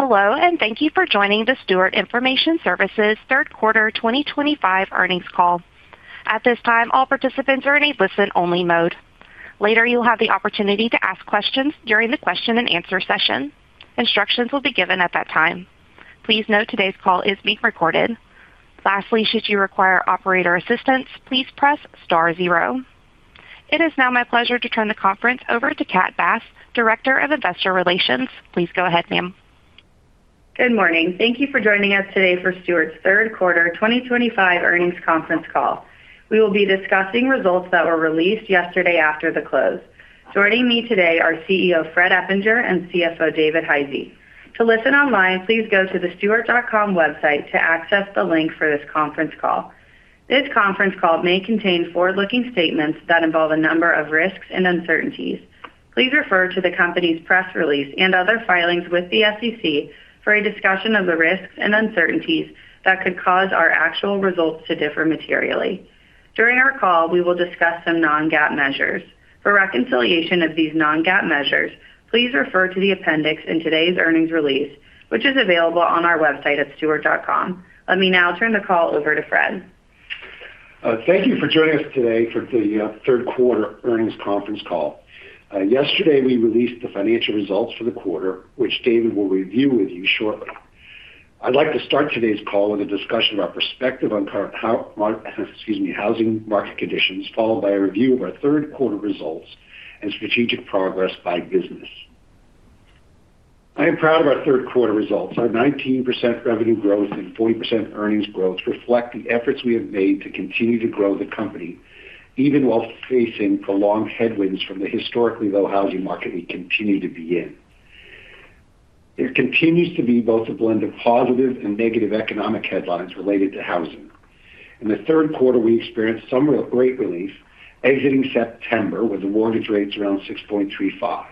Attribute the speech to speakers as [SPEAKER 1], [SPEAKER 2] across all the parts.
[SPEAKER 1] Hello, and thank you for joining the Stewart Information Services Third Quarter 2025 earnings call. At this time, all participants are in a listen-only mode. Later, you'll have the opportunity to ask questions during the question and answer session. Instructions will be given at that time. Please note today's call is being recorded. Lastly, should you require operator assistance, please press star zero. It is now my pleasure to turn the conference over to Kat Bass, Director of Investor Relations. Please go ahead, ma'am.
[SPEAKER 2] Good morning. Thank you for joining us today for Stewart's Third Quarter 2025 earnings conference call. We will be discussing results that were released yesterday after the close. Joining me today are CEO Fred Eppinger and CFO David Hisey. To listen online, please go to the stewart.com website to access the link for this conference call. This conference call may contain forward-looking statements that involve a number of risks and uncertainties. Please refer to the company's press release and other filings with the SEC for a discussion of the risks and uncertainties that could cause our actual results to differ materially. During our call, we will discuss some non-GAAP measures. For reconciliation of these non-GAAP measures, please refer to the appendix in today's earnings release, which is available on our website at stewart.com. Let me now turn the call over to Fred.
[SPEAKER 3] Thank you for joining us today for the Third Quarter earnings conference call. Yesterday, we released the financial results for the quarter, which David will review with you shortly. I'd like to start today's call with a discussion of our perspective on current housing market conditions, followed by a review of our third quarter results and strategic progress by business. I am proud of our third quarter results. Our 19% revenue growth and 40% earnings growth reflect the efforts we have made to continue to grow the company, even while facing prolonged headwinds from the historically low housing market we continue to be in. There continues to be both a blend of positive and negative economic headlines related to housing. In the third quarter, we experienced some great relief exiting September with mortgage rates around 6.35%.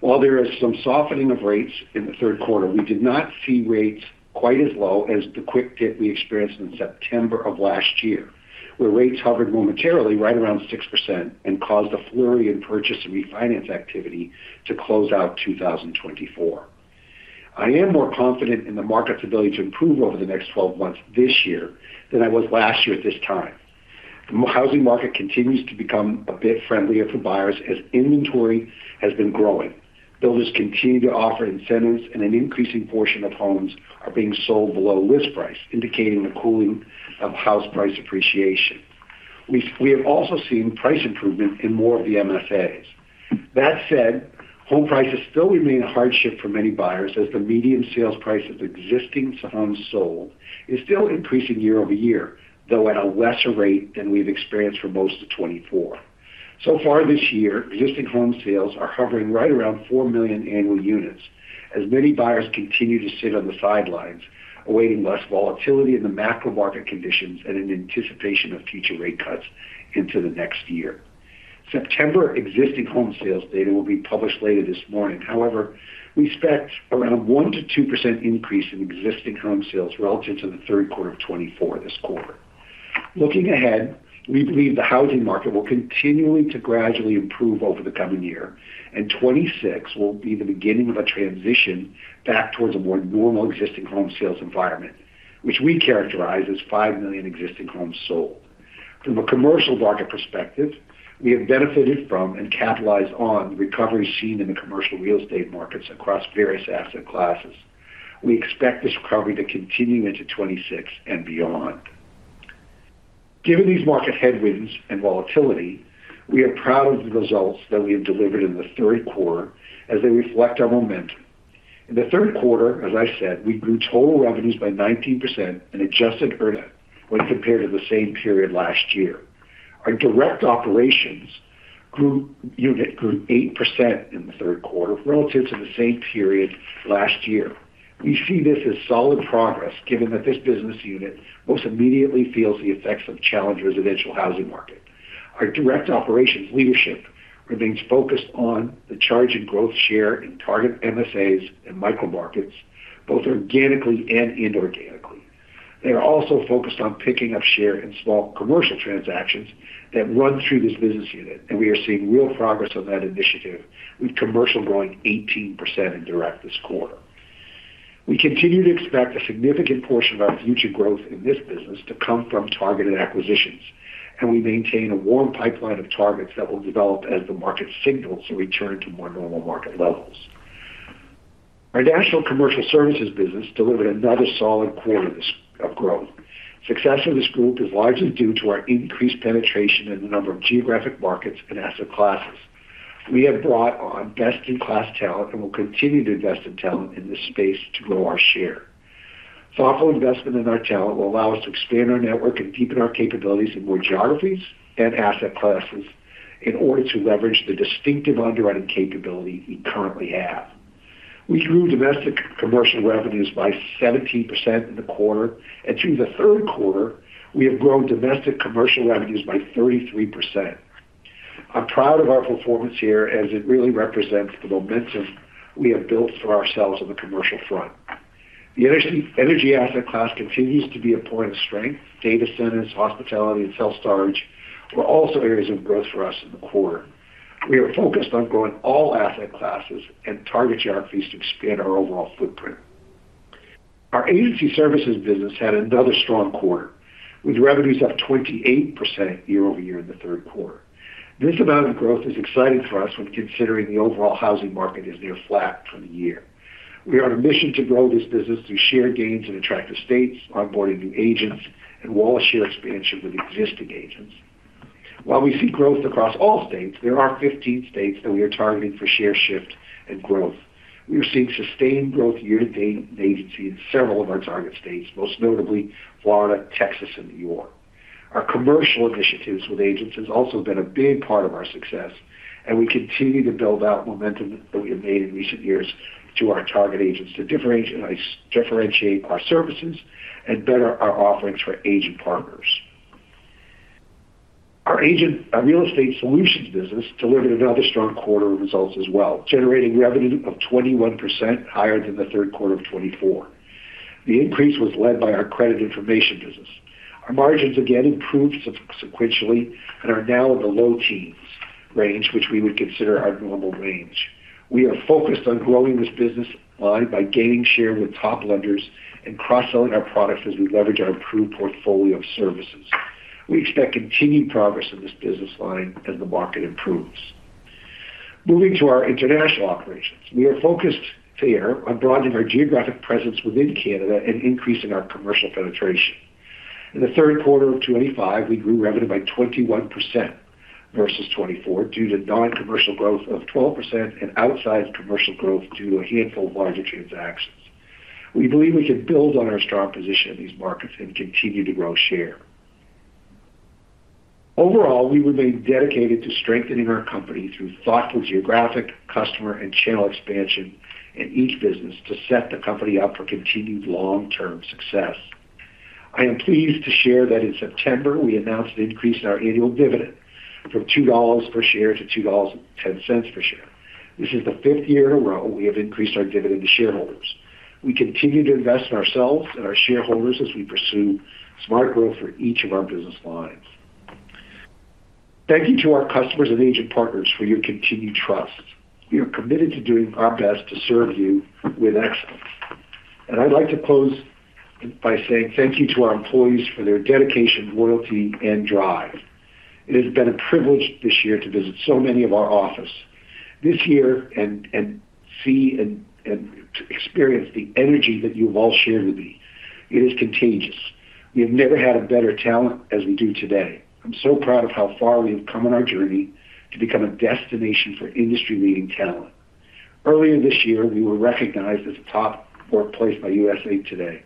[SPEAKER 3] While there is some softening of rates in the third quarter, we did not see rates quite as low as the quick dip we experienced in September of last year, where rates hovered momentarily right around 6% and caused a flurry in purchase and refinance activity to close out 2024. I am more confident in the market's ability to improve over the next 12 months this year than I was last year at this time. The housing market continues to become a bit friendlier for buyers as inventory has been growing. Builders continue to offer incentives, and an increasing portion of homes are being sold below list price, indicating a cooling of house price appreciation. We have also seen price improvement in more of the MFAs. That said, home prices still remain a hardship for many buyers as the median sales price of existing homes sold is still increasing year over year, though at a lesser rate than we've experienced for most of 2024. So far this year, existing home sales are hovering right around 4 million annual units, as many buyers continue to sit on the sidelines, awaiting less volatility in the macro market conditions and in anticipation of future rate cuts into the next year. September existing home sales data will be published later this morning. However, we expect around a 1%-2% increase in existing home sales relative to the Third Quarter of 2024 this quarter. Looking ahead, we believe the housing market will continue to gradually improve over the coming year, and 2026 will be the beginning of a transition back towards a more normal existing home sales environment, which we characterize as 5 million existing homes sold. From a commercial market perspective, we have benefited from and capitalized on the recovery seen in the commercial real estate markets across various asset classes. We expect this recovery to continue into 2026 and beyond. Given these market headwinds and volatility, we are proud of the results that we have delivered in the third quarter, as they reflect our momentum. In the third quarter, as I said, we grew total revenues by 19% and adjusted earnings when compared to the same period last year. Our direct operations unit grew 8% in the third quarter relative to the same period last year. We see this as solid progress, given that this business unit most immediately feels the effects of the challenging residential housing market. Our direct operations leadership remains focused on the charge and growth share in target MFAs and micro markets, both organically and inorganically. They are also focused on picking up share in small commercial transactions that run through this business unit, and we are seeing real progress on that initiative with commercial growing 18% in direct this quarter. We continue to expect a significant portion of our future growth in this business to come from targeted acquisitions, and we maintain a warm pipeline of targets that will develop as the market signals a return to more normal market levels. Our national commercial services business delivered another solid quarter of growth. The success of this group is largely due to our increased penetration in the number of geographic markets and asset classes. We have brought on best-in-class talent and will continue to invest in talent in this space to grow our share. Thoughtful investment in our talent will allow us to expand our network and deepen our capabilities in more geographies and asset classes in order to leverage the distinctive underwriting capability we currently have. We grew domestic commercial revenues by 17% in the quarter, and through the Third Quarter, we have grown domestic commercial revenues by 33%. I'm proud of our performance here, as it really represents the momentum we have built for ourselves on the commercial front. The energy asset class continues to be a point of strength. Data centers, hospitality, and self-storage were also areas of growth for us in the quarter. We are focused on growing all asset classes and target geographies to expand our overall footprint. Our agency services business had another strong quarter, with revenues up 28% year over year in the third quarter. This amount of growth is exciting for us when considering the overall housing market is near flat for the year. We are on a mission to grow this business through share gains in attractive states, onboarding new agents, and wall of share expansion with existing agents. While we see growth across all states, there are 15 states that we are targeting for share shift and growth. We are seeing sustained growth year-to-date in agency in several of our target states, most notably Florida, Texas, and New York. Our commercial initiatives with agents have also been a big part of our success, and we continue to build out momentum that we have made in recent years to our target agents to differentiate our services and better our offerings for agent partners. Our real estate solutions business delivered another strong quarter of results as well, generating revenue of 21% higher than the third quarter of 2024. The increase was led by our credit information business. Our margins again improved sequentially and are now in the low teens range, which we would consider our normal range. We are focused on growing this business line by gaining share with top lenders and cross-selling our products as we leverage our approved portfolio of services. We expect continued progress in this business line as the market improves. Moving to our international operations, we are focused here on broadening our geographic presence within Canada and increasing our commercial penetration. In the third quarter of 2025, we grew revenue by 21% versus 2024 due to non-commercial growth of 12% and outside of commercial growth due to a handful of larger transactions. We believe we can build on our strong position in these markets and continue to grow share. Overall, we remain dedicated to strengthening our company through thoughtful geographic, customer, and channel expansion in each business to set the company up for continued long-term success. I am pleased to share that in September, we announced an increase in our annual dividend from $2 per share to $2.10 per share. This is the fifth year in a row we have increased our dividend to shareholders. We continue to invest in ourselves and our shareholders as we pursue smart growth for each of our business lines. Thank you to our customers and agent partners for your continued trust. We are committed to doing our best to serve you with excellence. I'd like to close by saying thank you to our employees for their dedication, loyalty, and drive. It has been a privilege this year to visit so many of our offices and see and experience the energy that you've all shared with me. It is contagious. We have never had better talent as we do today. I'm so proud of how far we have come on our journey to become a destination for industry-leading talent. Earlier this year, we were recognized as a top workplace by USA Today.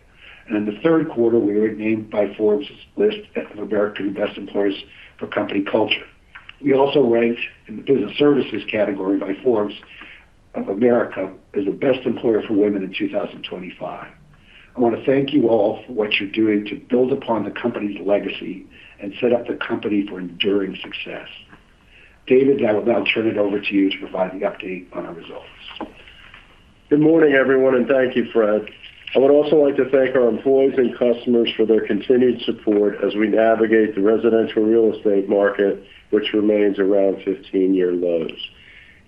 [SPEAKER 3] In the third quarter, we were named to Forbes' list of America's Best Employers for Company Culture. We also ranked in the Business Services category by Forbes as the best employer for women in 2025. I want to thank you all for what you're doing to build upon the company's legacy and set up the company for enduring success. David, I will now turn it over to you to provide the update on our results.
[SPEAKER 4] Good morning, everyone, and thank you, Fred. I would also like to thank our employees and customers for their continued support as we navigate the residential real estate market, which remains around 15-year lows.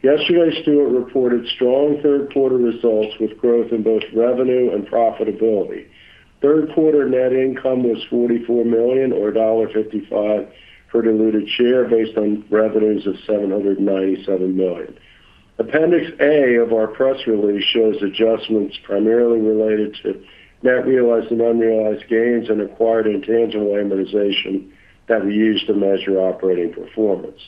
[SPEAKER 4] Yesterday, Stewart reported strong third quarter results with growth in both revenue and profitability. Third quarter net income was $44 million or $1.55 per diluted share based on revenues of $797 million. Appendix A of our press release shows adjustments primarily related to net realized and unrealized gains and acquired intangible amortization that we use to measure operating performance.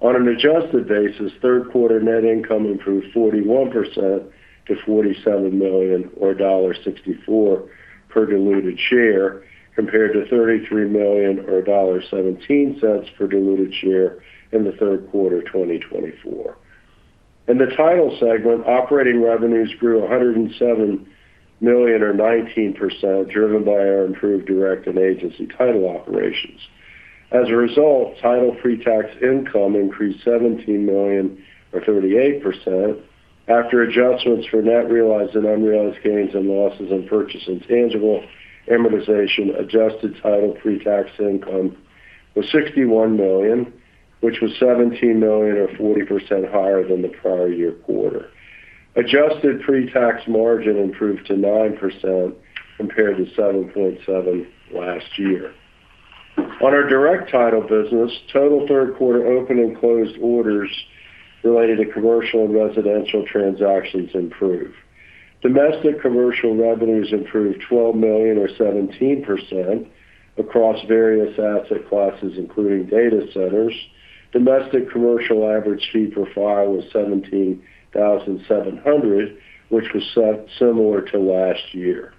[SPEAKER 4] On an adjusted basis, Third Quarter net income improved 41% to $47 million or $1.64 per diluted share compared to $33 million or $1.17 per diluted share in the third quarter of 2023. In the title segment, operating revenues grew $107 million or 19%, driven by our improved direct and agency title operations. As a result, title pre-tax income increased $17 million or 38% after adjustments for net realized and unrealized gains and losses on purchase intangible amortization. Adjusted title pre-tax income was $61 million, which was $17 million or 40% higher than the prior year quarter. Adjusted pre-tax margin improved to 9% compared to 7.7% last year. On our direct title business, total third quarter open and closed orders related to commercial and residential transactions improved. Domestic commercial revenues improved $12 million or 17% across various asset classes, including data centers. Domestic commercial average fee per file was $17,700, which was similar to last year.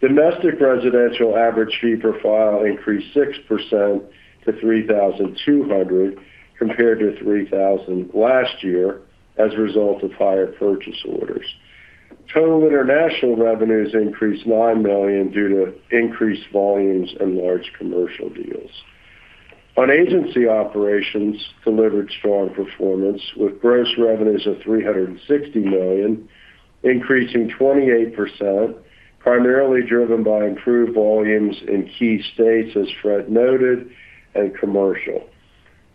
[SPEAKER 4] Domestic residential average fee per file increased 6% to $3,200 compared to $3,000 last year as a result of higher purchase orders. Total international revenues increased $9 million due to increased volumes and large commercial deals. On agency operations, delivered strong performance with gross revenues of $360 million increasing 28%, primarily driven by improved volumes in key states, as Fred noted, and commercial.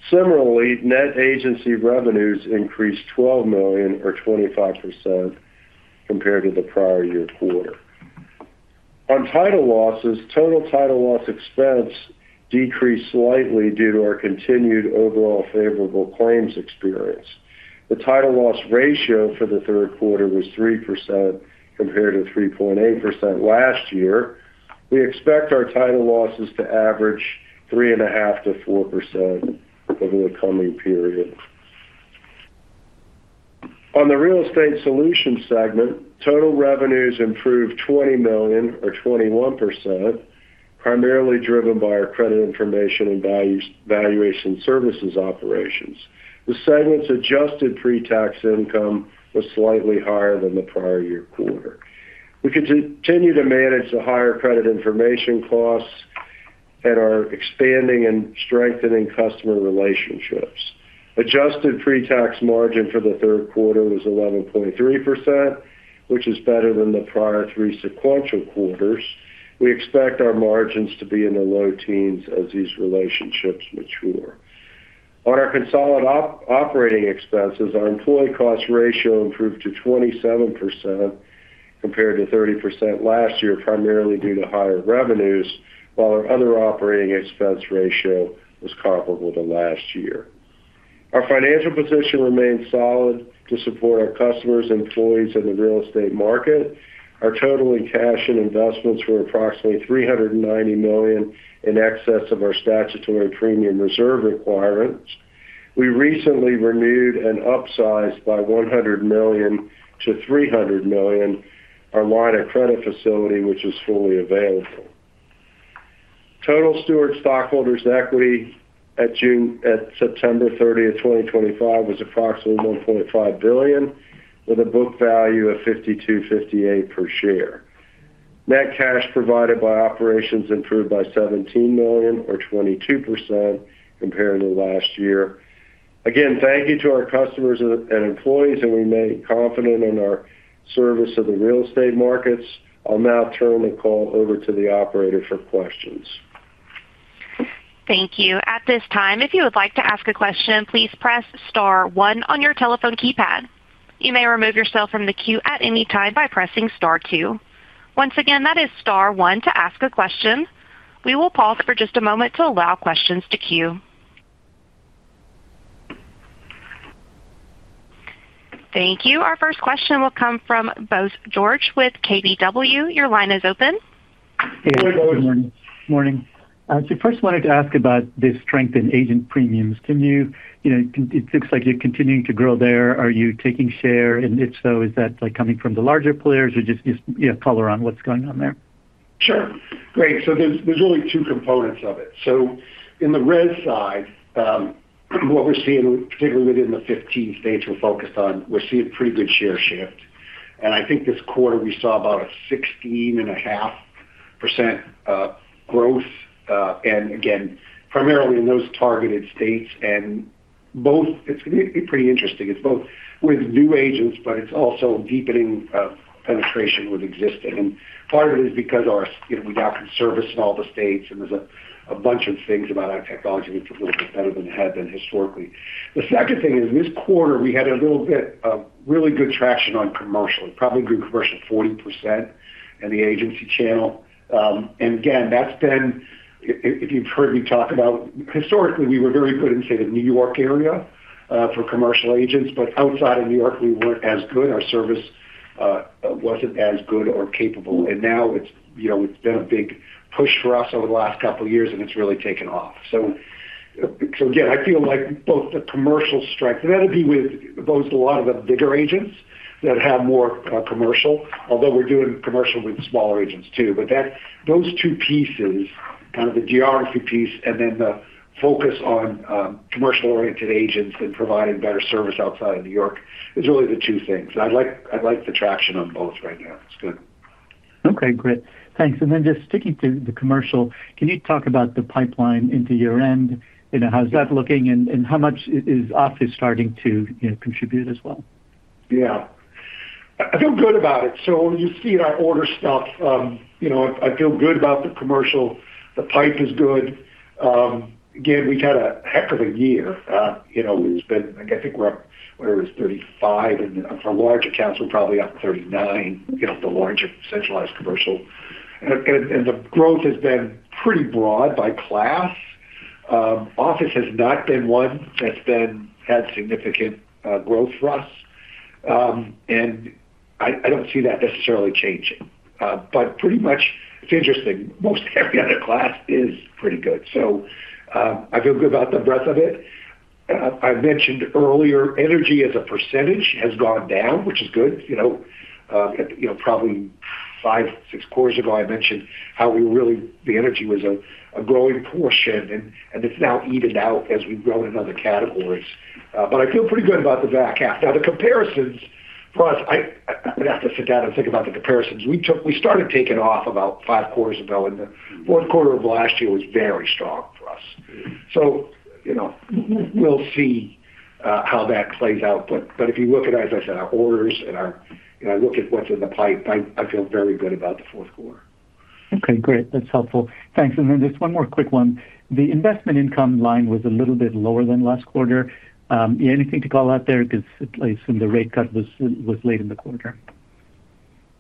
[SPEAKER 4] Similarly, net agency revenues increased $12 million or 25% compared to the prior year quarter. On title losses, total title loss expense decreased slightly due to our continued overall favorable claims experience. The title loss ratio for the third quarter was 3% compared to 3.8% last year. We expect our title losses to average 3.5%-4% over the coming period. On the real estate solutions segment, total revenues improved $20 million or 21%, primarily driven by our credit information and valuation services operations. The segment's adjusted pre-tax income was slightly higher than the prior year quarter. We continue to manage the higher credit information costs and are expanding and strengthening customer relationships. Adjusted pre-tax margin for the third quarter was 11.3%, which is better than the prior three sequential quarters. We expect our margins to be in the low teens as these relationships mature. On our consolidated operating expenses, our employee cost ratio improved to 27% compared to 30% last year, primarily due to higher revenues, while our other operating expense ratio was comparable to last year. Our financial position remains solid to support our customers, employees, and the real estate market. Our total in cash and investments were approximately $390 million in excess of our statutory premium reserve requirements. We recently renewed and upsized by $100 million to $300 million our line of credit facility, which is fully available. Total Stewart stockholders' equity at September 30, 2025, was approximately $1.5 billion with a book value of $52.58 per share. Net cash provided by operations improved by $17 million or 22% compared to last year. Again, thank you to our customers and employees, and we remain confident in our service of the real estate markets. I'll now turn the call over to the operator for questions.
[SPEAKER 1] Thank you. At this time, if you would like to ask a question, please press star one on your telephone keypad. You may remove yourself from the queue at any time by pressing star two. Once again, that is star one to ask a question. We will pause for just a moment to allow questions to queue. Thank you. Our first question will come from Bose George with KBW. Your line is open.
[SPEAKER 3] Hey, George. Morning.
[SPEAKER 5] Morning. I actually first wanted to ask about this strength in agent premiums. Can you, you know, it looks like you're continuing to grow there. Are you taking share? If so, is that like coming from the larger players or just, you know, call around what's going on there?
[SPEAKER 3] Sure. Great. There are really two components of it. On the red side, what we're seeing, particularly within the 15 states we're focused on, is pretty good share shift. I think this quarter we saw about a 16.5% growth, primarily in those targeted states. It's going to be pretty interesting. It's both with new agents, but it's also deepening penetration with existing. Part of it is because we now can service in all the states, and there are a bunch of things about our technology that's a little bit better than it had been historically. The second thing is this quarter we had really good traction on commercial, probably grew commercial 40% in the agency channel. Historically, we were very good in, say, the New York area for commercial agents. Outside of New York, we weren't as good. Our service wasn't as good or capable. Now it's been a big push for us over the last couple of years, and it's really taken off. I feel like both the commercial strength, and that would be with a lot of the bigger agents that have more commercial, although we're doing commercial with smaller agents too. Those two pieces, the geography piece and the focus on commercial-oriented agents and providing better service outside of New York, are really the two things. I like the traction on both right now. It's good.
[SPEAKER 5] Okay. Great. Thanks. Just sticking to the commercial, can you talk about the pipeline into year-end? How's that looking? How much is Office starting to contribute as well?
[SPEAKER 3] Yeah. I feel good about it. You see it, our order stuff, I feel good about the commercial. The pipe is good. We've had a heck of a year. I think we're up, whatever it is, 35%. For larger accounts, we're probably up 39%, the larger centralized commercial. The growth has been pretty broad by class. Office has not been one that's had significant growth for us. I don't see that necessarily changing. It's interesting, most every other class is pretty good. I feel good about the breadth of it. I mentioned earlier, energy as a percentage has gone down, which is good. Probably five, six quarters ago, I mentioned how energy was a growing portion, and it's now evened out as we've grown in other categories. I feel pretty good about the back half. The comparisons for us, I would have to sit down and think about the comparisons. We started taking off about five quarters ago, and the fourth quarter of last year was very strong for us. We'll see how that plays out. If you look at, as I said, our orders and what's in the pipe, I feel very good about the fourth quarter.
[SPEAKER 5] Okay. Great. That's helpful. Thanks. Just one more quick one. The investment income line was a little bit lower than last quarter. Yeah, anything to call out there? I assume the rate cut was late in the quarter.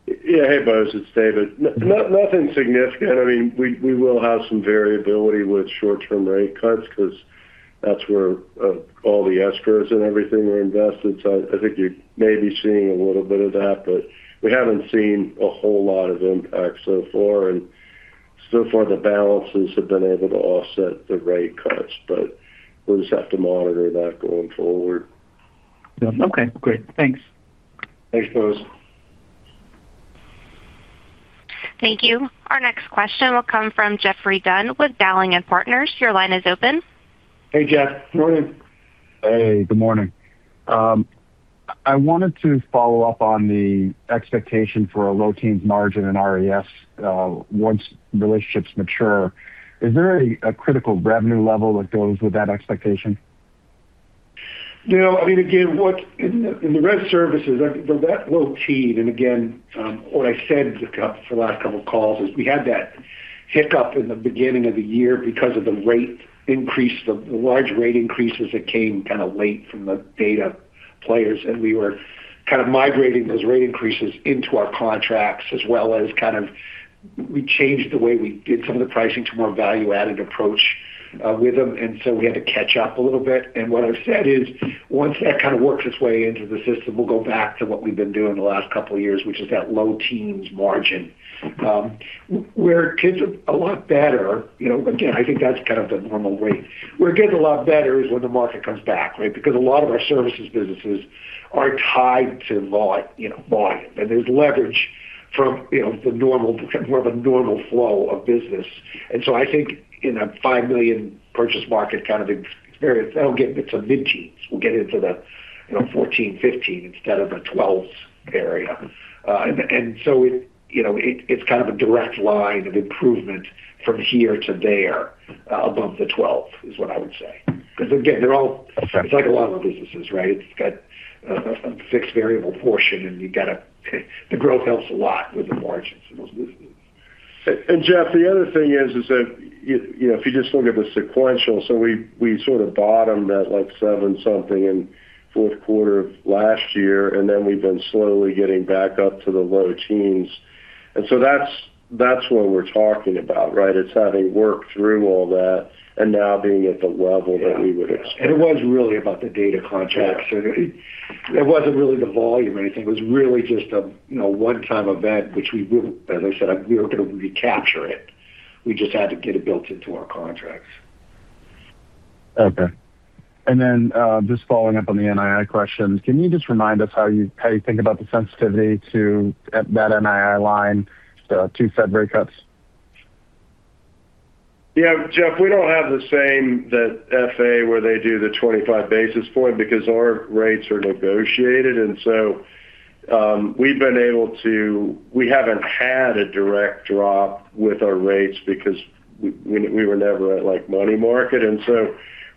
[SPEAKER 4] Yeah. Hey, Bose. It's David. Nothing significant. I mean, we will have some variability with short-term rate cuts because that's where all the escrows and everything were invested. I think you may be seeing a little bit of that, but we haven't seen a whole lot of impact so far. So far, the balances have been able to offset the rate cuts, but we'll just have to monitor that going forward.
[SPEAKER 5] Yeah, okay. Great, thanks.
[SPEAKER 4] Thanks, Bose.
[SPEAKER 1] Thank you. Our next question will come from Geoffrey Dunn with Dowling & Partners. Your line is open.
[SPEAKER 3] Hey, Jeff.
[SPEAKER 4] Morning.
[SPEAKER 6] Hey, good morning. I wanted to follow up on the expectation for a low teens margin in RES, once relationships mature. Is there a critical revenue level that goes with that expectation?
[SPEAKER 3] I mean, again, in the real estate solutions, I think that low teen, and again, what I said for the last couple of calls is we had that hiccup in the beginning of the year because of the rate increase, the large rate increases that came kind of late from the data players, and we were kind of migrating those rate increases into our contracts as well as we changed the way we did some of the pricing to a more value-added approach with them. We had to catch up a little bit. What I've said is once that kind of works its way into the system, we'll go back to what we've been doing the last couple of years, which is that low teens margin. Where it gets a lot better, I think that's kind of the normal rate. Where it gets a lot better is when the market comes back, right? Because a lot of our services businesses are tied to volume, and there's leverage from the normal, more of a normal flow of business. I think in a $5 million purchase market kind of experience, that'll get into mid-teens. We'll get into the 14, 15 instead of a 12s area. It is kind of a direct line of improvement from here to there, above the 12 is what I would say. Because again, it's like a lot of the businesses, right? It's got a fixed variable portion, and the growth helps a lot with the margins in those businesses.
[SPEAKER 4] Geoff, the other thing is that, you know, if you just look at the sequential, we sort of bottomed at like seven something in the fourth quarter of last year, and then we've been slowly getting back up to the low teens. That's what we're talking about, right? It's having worked through all that and now being at the level that we would expect.
[SPEAKER 3] It was really about the data contracts. It wasn't really the volume or anything. It was really just a one-time event, which we will, as I said, we were going to recapture. We just had to get it built into our contracts.
[SPEAKER 6] Okay. Just following up on the NII question, can you remind us how you think about the sensitivity to that NII line, the two Fed rate cuts?
[SPEAKER 4] Yeah, Geoff, we don't have the same that the Fed where they do the 25 basis point because our rates are negotiated. We've been able to, we haven't had a direct drop with our rates because we were never at like money market.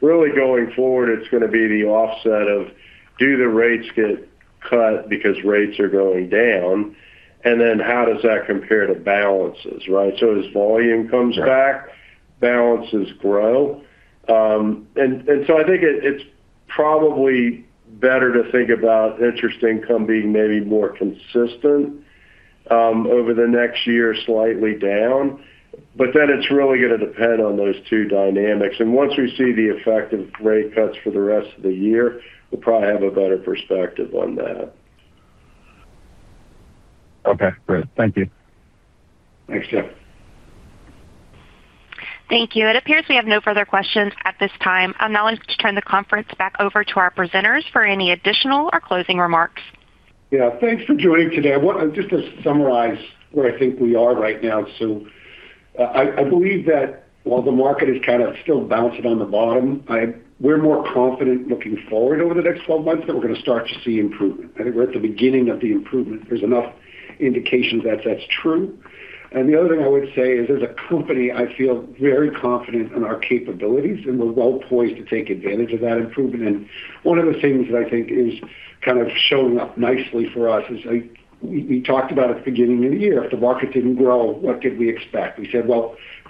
[SPEAKER 4] Really going forward, it's going to be the offset of, do the rates get cut because rates are going down? How does that compare to balances, right? As volume comes back, balances grow. I think it's probably better to think about interest income being maybe more consistent over the next year, slightly down. It's really going to depend on those two dynamics. Once we see the effect of rate cuts for the rest of the year, we'll probably have a better perspective on that.
[SPEAKER 6] Okay. Great. Thank you.
[SPEAKER 3] Thanks, Geoff.
[SPEAKER 1] Thank you. It appears we have no further questions at this time. I'd now like to turn the conference back over to our presenters for any additional or closing remarks.
[SPEAKER 3] Yeah. Thanks for joining today. I want to summarize where I think we are right now. I believe that while the market is kind of still bouncing on the bottom, we're more confident looking forward over the next 12 months that we're going to start to see improvement. I think we're at the beginning of the improvement. There's enough indications that that's true. The other thing I would say is, as a company, I feel very confident in our capabilities, and we're well poised to take advantage of that improvement. One of the things that I think is kind of showing up nicely for us is we talked about at the beginning of the year, if the market didn't grow, what did we expect? We said,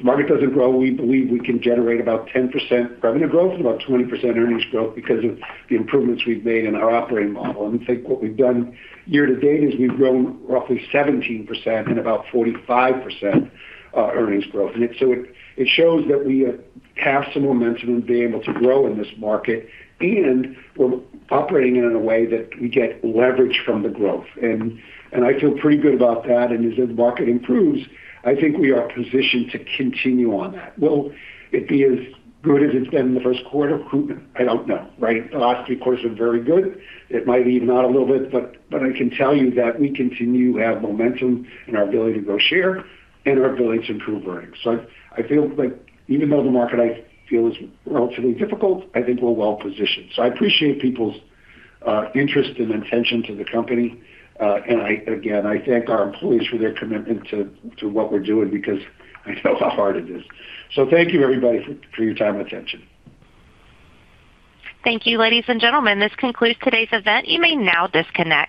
[SPEAKER 3] if the market doesn't grow, we believe we can generate about 10% revenue growth and about 20% earnings growth because of the improvements we've made in our operating model. I think what we've done year to date is we've grown roughly 17% and about 45% earnings growth. It shows that we have some momentum and being able to grow in this market, and we're operating in a way that we get leverage from the growth. I feel pretty good about that. As the market improves, I think we are positioned to continue on that. Will it be as good as it's been in the first quarter? I don't know, right? The last three quarters were very good. It might even out a little bit, but I can tell you that we continue to have momentum in our ability to grow share and our ability to improve earnings. I feel like even though the market I feel is relatively difficult, I think we're well positioned. I appreciate people's interest and attention to the company. I thank our employees for their commitment to what we're doing because I know how hard it is. Thank you, everybody, for your time and attention.
[SPEAKER 1] Thank you, ladies and gentlemen. This concludes today's event. You may now disconnect.